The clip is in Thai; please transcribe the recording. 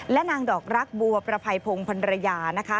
และนางดอกรักบัวประภัยพงศ์พันรยานะคะ